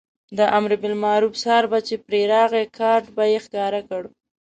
د امربالمعروف څار به چې پرې راغی کارټ به یې ښکاره کړ.